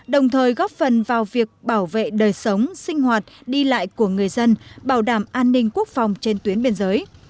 đồng thời góp phần vào việc bảo vệ đời sống sinh hoạt đi lại của người dân bảo đảm an ninh quốc phòng trên tuyến biên giới